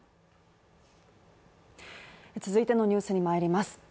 続いてのニュースにまいります。